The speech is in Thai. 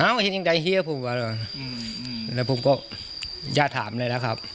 อ้าวผู้ใดเฮียว่ะแล้วผมก็ย่าถามเลยล่ะครับอ๋อ